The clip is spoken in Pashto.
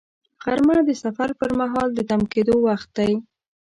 غرمه د سفر پر مهال د تم کېدو وخت دی